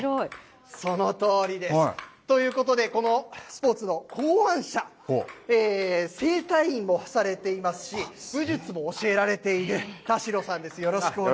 そのとおりです。ということで、このスポーツの考案者、整体院もされていますし、武術も教えられている田代さんです。